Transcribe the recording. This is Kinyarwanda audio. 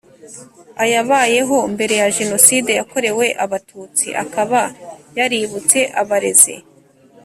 ayabayeho mbere ya Jenoside yakorewe Abatutsi akaba yaributse abarezi